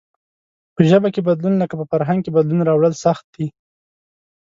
په ژبه کې بدلون لکه په فرهنگ کې بدلون راوړل سخت دئ.